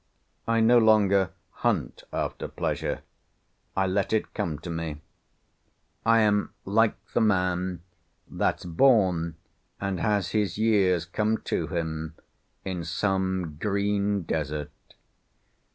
I no longer hunt after pleasure; I let it come to me. I am like the man —That's born, and has his years come to him, In some green desart.